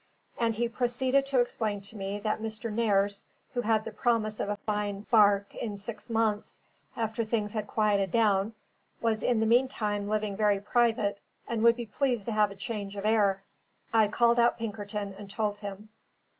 And he proceeded to explain to me that Mr. Nares, who had the promise of a fine barque in six months, after things had quieted down, was in the meantime living very private, and would be pleased to have a change of air. I called out Pinkerton and told him.